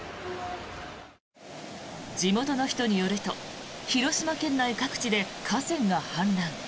地元の人によると広島県内各地で河川が氾濫。